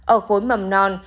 ở khối mầm non